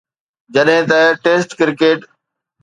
جڏهن ته test cricket